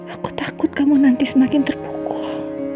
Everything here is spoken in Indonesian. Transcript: aku takut kamu nanti semakin terpukul